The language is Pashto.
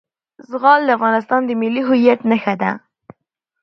زغال د افغانستان د ملي هویت نښه ده.